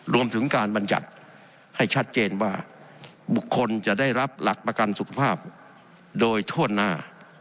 รวมถึงการบรรยัติให้ชัดเจนว่าบุคคลจะได้รับหลักประกันสุขภาพโดยทั่วหน้า